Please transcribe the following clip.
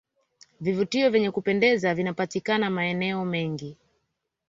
vivutio vyenye kupendeza vinapatikana maeneo mengi